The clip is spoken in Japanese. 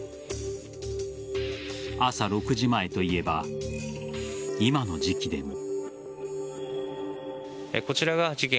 朝６時前といえば今の時期でも。